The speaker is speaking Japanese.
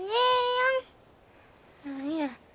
何や。